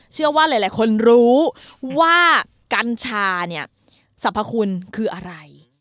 เชื่อว่าหลายคนรู้ว่ากัญชาเนี่ยสรรพคุณคืออะไร